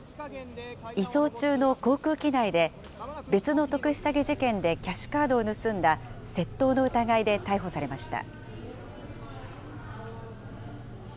移送中の航空機内で、別の特殊詐欺事件でキャッシュカードを盗んだ窃盗の疑いで逮捕されました。